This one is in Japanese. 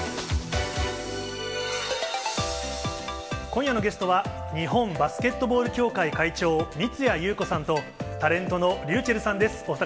今夜のゲストは、日本バスケットボール協会会長、三屋裕子さんと、タレントのｒｙｕｃｈｅｌｌさんです。